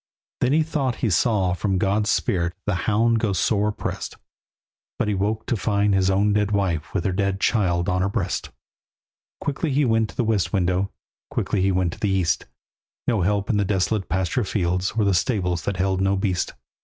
Then he thought he saw from God's spirit The hound go sore oppressed, But he woke to find his own dead wife With her dead child on her breast. Quickly he went to the west window, Quickly he went to the east; No help in the desolate pasture fields, Or the stables that held no beast.